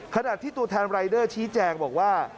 ขณะที่ตัวแทนรายเดอร์ชี้แจงบอกว่า